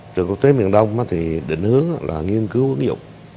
trường quốc tế miền đông thì định hướng là nghiên cứu ứng dụng